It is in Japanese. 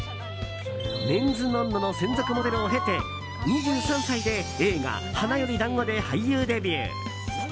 「メンズノンノ」の専属モデルを経て２３歳で映画「花より男子」で俳優デビュー。